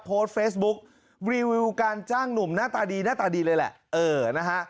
โพสต์เฟซบุ๊กรีวิวการจ้างหนุ่มหน้าตาดีหน้าตาดีเลยแหละเออนะฮะ